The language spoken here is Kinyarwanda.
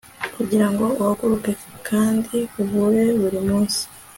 kugirango uhaguruke kandi uhure buri munsi